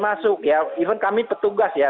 masuk ya even kami petugas ya